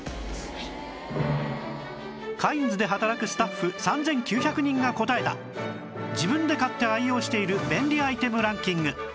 カインズで働くスタッフ３９００人が答えた自分で買って愛用している便利アイテムランキング